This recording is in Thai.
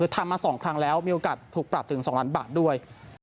ทำมา๒ครั้งแล้วมีโอกาสถูกปรับถึง๒ล้านบาทด้วย